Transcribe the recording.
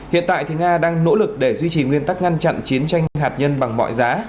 hiện tại thì nga đang nỗ lực để duy trì nguyên tắc ngăn chặn chiến tranh hạt nhân bằng mọi giá